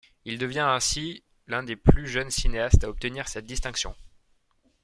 Il devient ainsi l'un des plus jeunes cinéastes à obtenir cette distinction.